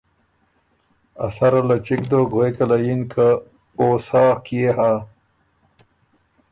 ا سره له چِګ دوک غوېکه له یِن که ”او سا کيې هۀ؟“